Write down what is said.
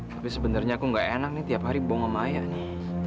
tapi sebenarnya aku enggak enak nih tiap hari bohong sama ayah nih